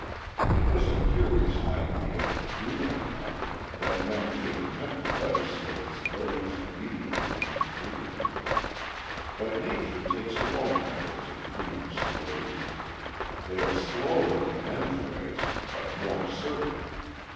It was a curious idea human enough that men should attempt to legislate slaves immediately into freedom. But nature takes her own methods of freeing slaves; they are slower than men's ways, but more certain.